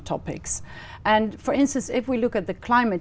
tôi và gia đình tôi đã thích